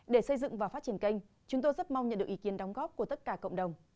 để xây dựng và phát triển kênh chúng tôi rất mong nhận được ý kiến đóng góp của tất cả cộng đồng